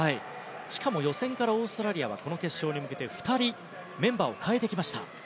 しかも予選からオーストラリアは決勝に向けて２人メンバーを代えてきました。